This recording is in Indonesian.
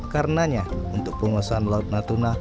karena untuk pengosahan laut natuna